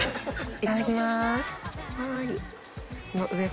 いただきます。